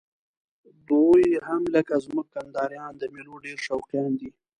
دوی هم لکه زموږ کندهاریان د میلو ډېر شوقیان دي.